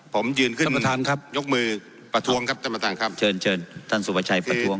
ผมยืนขึ้นยกมือประทวงครับท่านประธานครับเชิญท่านสุปชัยประทวง